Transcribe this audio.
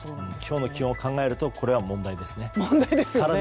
今日の気温を考えるとこれは問題ですね。